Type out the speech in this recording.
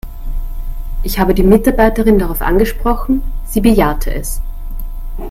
Ich habe die Mitarbeiterin darauf angesprochen, sie bejahte es.